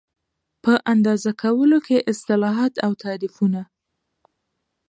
په اندازه کولو کې اصطلاحات او تعریفونه